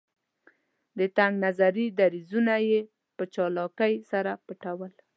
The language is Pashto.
د تنګ نظري دریځونه یې په چالاکۍ سره پټول.